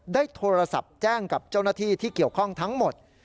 ได้โทรศัพท์แจ้งกับเจ้าหน้าที่ที่เกี่ยวข้องทั้งหมด